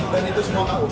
dan itu semua ko